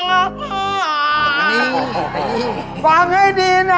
ฟังให้ดีนะ